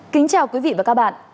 kính chào quý vị và các bạn